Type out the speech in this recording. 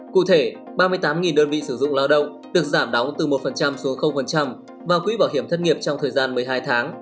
cụ thể ba mươi tám đơn vị sử dụng lao động được giảm đóng từ một số vào quỹ bảo hiểm thất nghiệp trong thời gian một mươi hai tháng